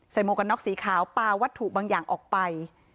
หมวกกันน็อกสีขาวปลาวัตถุบางอย่างออกไป